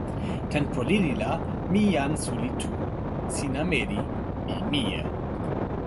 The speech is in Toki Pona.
tenpo lili la, mi jan suli tu. sina meli. mi mije.